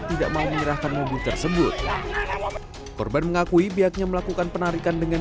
tidak mau menyerahkan mobil tersebut korban mengakui pihaknya melakukan penarikan dengan